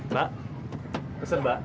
mbak pesan mbak